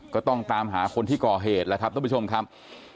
ก็ต้องตามหาคนที่เกาะเหตุทุกประชุมครับ